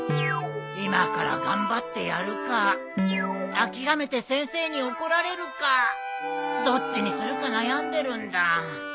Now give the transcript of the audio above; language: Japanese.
今から頑張ってやるか諦めて先生に怒られるかどっちにするか悩んでるんだ。